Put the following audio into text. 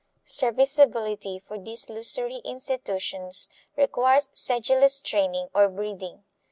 Serviceability for these lusory institutions requires sedulous training or breeding.